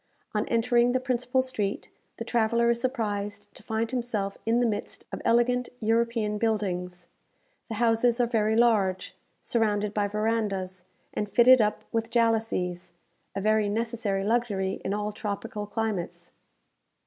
On entering the principal street, the traveller is surprised to find himself in the midst of elegant European buildings. The houses are very large, surrounded by verandahs, and fitted up with jalousies a very necessary luxury in all tropical climates.